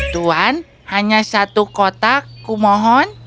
tuan hanya satu kotak kumohon